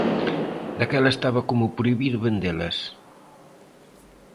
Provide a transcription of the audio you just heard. Daquela estaba como prohibido vendelas.